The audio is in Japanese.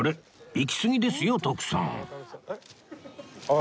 行きすぎですよ徳さん